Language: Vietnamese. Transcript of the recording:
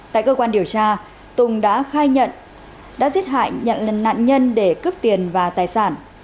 tại cơ quan điều tra tùng đã khai nhận đã giết hại nhận nạn nhân để cướp tiền và tài sản